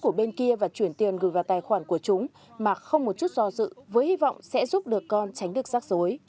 chúng sẽ đưa tiền của bên kia và chuyển tiền gửi vào tài khoản của chúng mà không một chút do dự với hy vọng sẽ giúp được con tránh được rắc rối